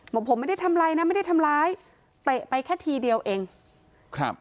บอกผมไม่ได้ทำอะไรนะไม่ได้ทำร้ายเตะไปแค่ทีเดียวเองครับ